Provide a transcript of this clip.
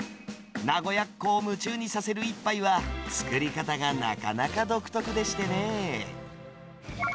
名古屋っ子を夢中にさせる一杯は、作り方がなかなか独特でしてね。